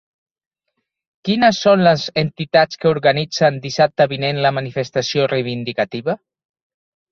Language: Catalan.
Quines són les entitats que organitzen dissabte vinent la manifestació reivindicativa?